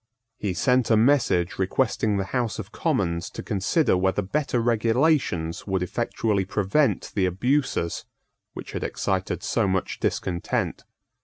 He sent a message requesting the House of Commons to consider whether better regulations would effectually prevent the abuses which had excited so much discontent.